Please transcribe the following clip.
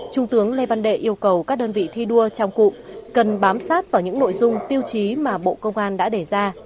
trung tướng lê văn đệ yêu cầu các đơn vị thi đua trong cụm cần bám sát vào những nội dung tiêu chí mà bộ công an đã đề ra